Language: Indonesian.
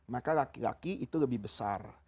maka laki laki itu lebih besar